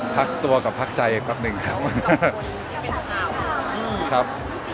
พักตัวกับพักใจแป๊บหนึ่งครับ